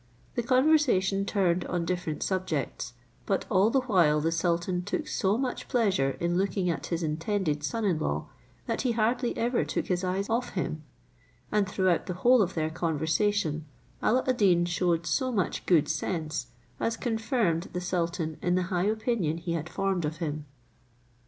The conversation turned on different subjects; but all the while the sultan took so much pleasure in looking at his intended son in law, that he hardly ever took his eyes off him; and throughout the whole of their conversation Alla ad Deen showed so much good sense, as confirmed the sultan in the high opinion he had formed of him.